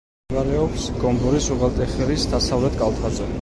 მდებარეობს გომბორის უღელტეხილის დასავლეთ კალთაზე.